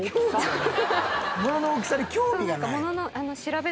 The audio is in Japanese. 物の大きさに興味がない？